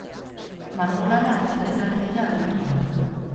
Margolana aztertzen ari dira adituak.